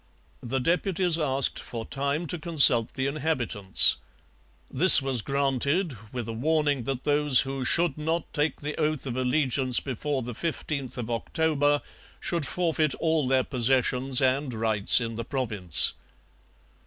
The deputies asked for time to consult the inhabitants. This was granted, with a warning that those who 'should not take the oath of allegiance before the 15th of October should forfeit all their possessions and rights in the Province.'